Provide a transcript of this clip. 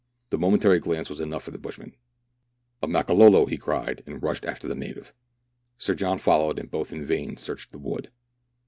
The momentary glance was enough for the bushman. " A Makololo !" he cried, and rushed after the native. Sir John followed, and both in vain searched the wood.